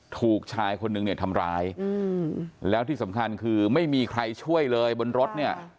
ถูกชายคนนึงเนี่ยทำร้ายแล้วที่สำคัญคือไม่มีใครช่วยเลยบนรถเนี่ย